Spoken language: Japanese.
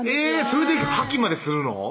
それで破棄までするの？